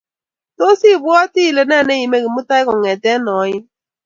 Tos ibwoti ile ne neimi Kimutai kongete oin?